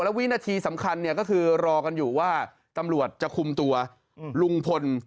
วินาทีสำคัญก็คือรอกันอยู่ว่าตำรวจจะคุมตัวลุงพล